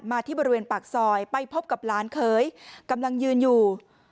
ที่บริเวณปากซอยไปพบกับหลานเขยกำลังยืนอยู่